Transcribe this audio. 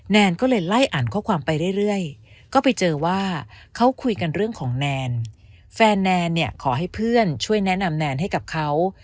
แนนก็เลยไล่อ่านข้อความไปเรื่อยก็ไปเจอว่าเขาคุยกันเรื่องของแนนแฟนแนนเนี่ยขอให้เพื่อนช่วยแนะนำแนนให้กับเขา